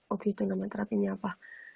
oke itu namanya terapinya apa